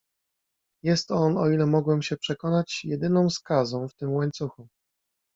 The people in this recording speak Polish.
"Jest on, o ile mogłem się przekonać, jedyną skazą w tym łańcuchu."